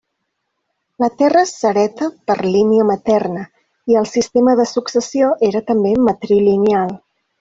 La terra s'hereta per línia materna, i el sistema de successió era també matrilineal.